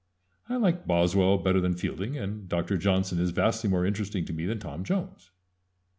I like Boswell better than Fielding, and Dr. Johnson is vastly more interesting to me than Tom Jones."